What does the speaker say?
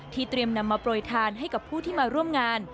เตรียมนำมาโปรยทานให้กับผู้ที่มาร่วมงาน